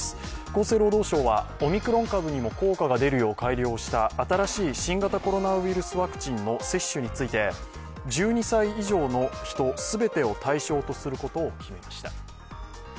厚生労働省はオミクロン株にも効果が出るよう改良した新しい新型コロナウイルスワクチンの接種について１２歳以上の人全てを対象とすることを決めました。